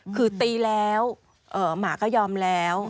คือตีแล้วหมาก็ยอมแล้ว